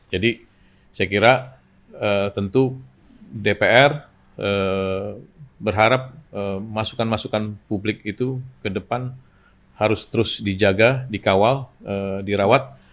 jadi saya kira tentu dpr berharap masukan masukan publik itu ke depan harus terus dijaga dikawal dirawat